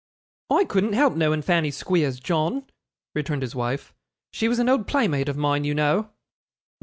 'I couldn't help knowing Fanny Squeers, John,' returned his wife; 'she was an old playmate of mine, you know.